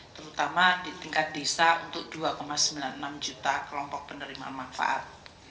terutama di tingkat desa untuk dua sembilan puluh enam juta kelompok penerima manfaat